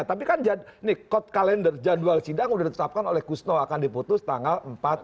tapi kan ini code calendar jadwal sidang udah ditetapkan oleh kusno akan diputus tanggal empat belas